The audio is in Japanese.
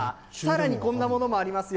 さらにこんなものもありますよ。